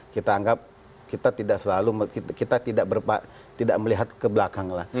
kita anggap kita tidak selalu kita tidak melihat ke belakang lah